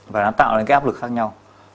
và nó tạo ra cái áp lực khác nhau